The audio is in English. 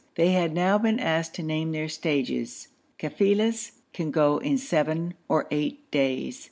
They had now been asked to name their stages; kafilas can go in seven or eight days.